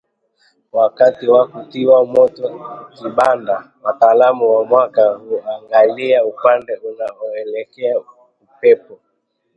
Wakati wa kutiwa moto kibanda wataalamu wa mwaka huangalia upande unakoelekea upepo